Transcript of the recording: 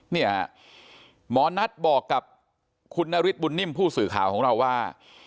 เนี่ยหมอนัทบอกกับคุณนฤทธบุญนิ่มผู้สื่อข่าวของเราว่า